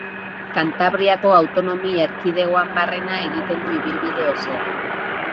Kantabriako Autonomi Erkidegoan barrena egiten du ibilbide osoa.